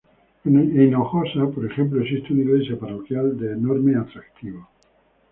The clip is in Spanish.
En Hinojosa, por ejemplo, existe una iglesia parroquial de enorme atractivo.